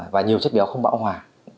và nhiều chất béo không bão hòa